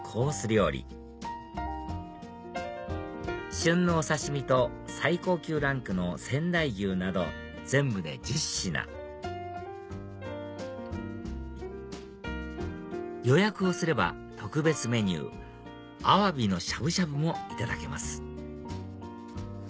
料理旬のお刺身と最高級ランクの仙台牛など全部で１０品予約をすれば特別メニューあわびのしゃぶしゃぶもいただけます